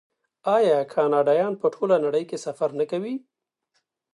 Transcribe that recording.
آیا کاناډایان په ټوله نړۍ کې سفر نه کوي؟